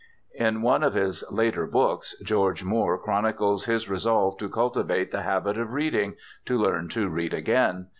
In one of his later books George Moore chronicles his resolve to cultivate the habit of reading, to learn to read again.